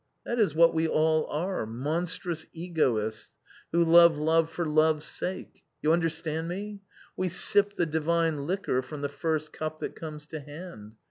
That is what we all are — monstrous egoists — who love love for love's sake — you understand me? We sip the divine liquor from the first cup that comes to hand.